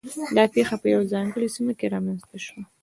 دا پېښه په یوه ځانګړې سیمه کې رامنځته شوه.